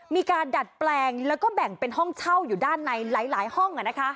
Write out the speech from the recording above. มีการดัดแปลงแล้วก็แบ่งเป็นห้องเช่าอยู่ด้านในหลายห้อง